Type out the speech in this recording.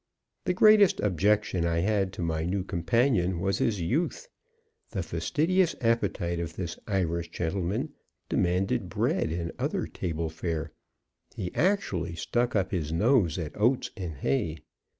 The greatest objection I had to my new companion was his youth. The fastidious appetite of this Irish gentleman demanded bread, and other table fare; he actually stuck up his nose at oats and hay.